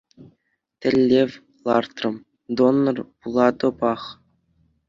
Тӗллев лартрӑм -- донор пулатӑпах.